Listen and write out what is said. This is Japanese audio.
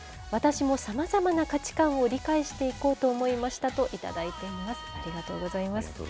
私もさまざまな価値観を理解していこうと思いましたと頂いています。